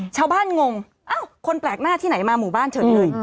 ชาวบ้านงงคนแปลกหน้าที่ไหนมาหมู่บ้านเฉย